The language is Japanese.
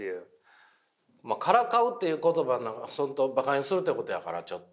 まあからかうっていうことがばかにするってことやからちょっと。